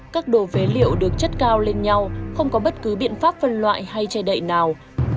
các đồ phế liệu được chất cao lên nhau không có bất cứ biện pháp phân loại hay che đậy nào